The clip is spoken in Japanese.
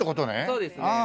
そうですね。